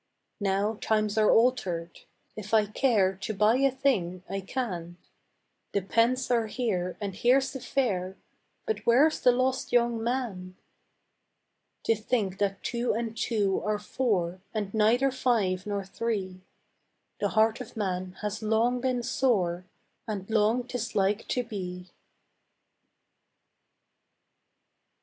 Now times are altered: if I care To buy a thing, I can; The pence are here and here's the fair, But where's the lost young man? To think that two and two are four And neither five nor three The heart of man has long been sore And long 'tis like to be.